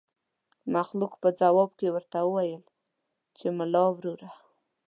مخلوق په ځواب کې ورته وويل چې ملا وروره.